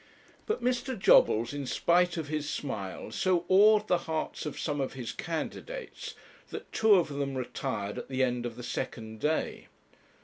But Mr. Jobbles, in spite of his smiles, so awed the hearts of some of his candidates, that two of them retired at the end of the second day.